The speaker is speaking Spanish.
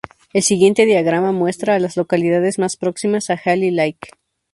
El siguiente diagrama muestra a las localidades más próximas a Healy Lake.